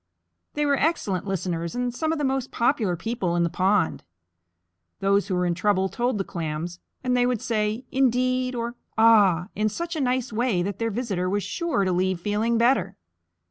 They were excellent listeners and some of the most popular people in the pond. Those who were in trouble told the Clams, and they would say, "Indeed," or "Ah," in such a nice way that their visitor was sure to leave feeling better.